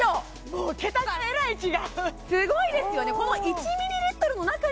もう桁がえらい違うすごいですよね